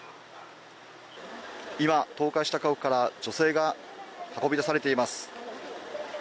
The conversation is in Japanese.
今、倒壊した家屋から女性が運び出されています。